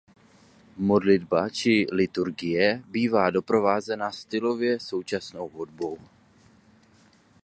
Modlitba či liturgie bývá doprovázena stylově současnou hudbou.